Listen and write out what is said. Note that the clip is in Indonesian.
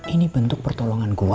ini bentuk pertolongan gua